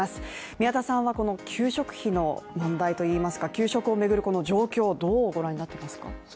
宮田さんはこの給食費の問題といいますか給食を巡るこの状況をどうご覧になってますか。